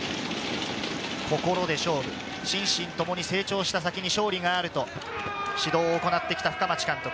心で勝負、心身ともに成長した先に勝利があると指導を行ってきた深町監督。